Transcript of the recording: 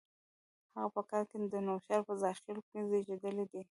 هغه په کال کې د نوښار په زاخیلو کې زیږېدلي دي.